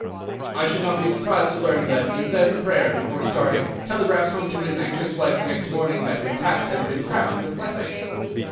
I should not be surprised to learn that he says a prayer before starting, telegraphs home to his anxious wife the next morning that his task has been crowned with blessing.